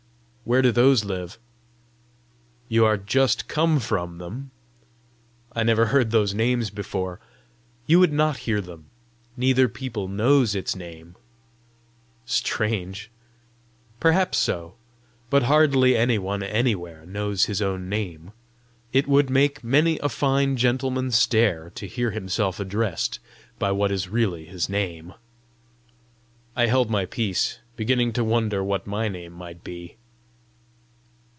"Where do those live?" "You are just come from them!" "I never heard those names before!" "You would not hear them. Neither people knows its own name!" "Strange!" "Perhaps so! but hardly any one anywhere knows his own name! It would make many a fine gentleman stare to hear himself addressed by what is really his name!" I held my peace, beginning to wonder what my name might be.